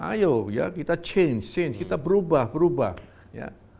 ayo ya kita change change kita berubah berubah ya